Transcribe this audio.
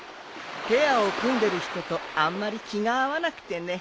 ペアを組んでる人とあんまり気が合わなくてね。